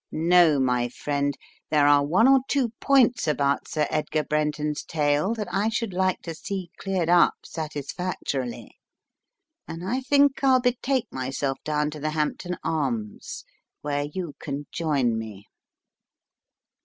No, my friend, there are one or two points about Sir Edgar Brenton's tale that I should like to see cleared up satisfactorily, and I think I'll betake myself down to the Hampton Arms where you can join me."